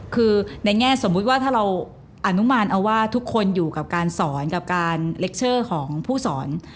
คือในแง่สมมุติว่าถ้าเราอนุมานเอาว่าทุกคนอยู่กับการสอนกับการเล็กเชอร์ของผู้สอน